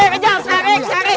kejal saring saring